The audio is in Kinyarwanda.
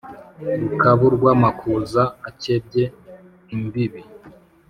rukabu rw' amakuza akebye imbibi